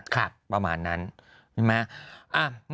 ประมาณนั้นใช่ไหม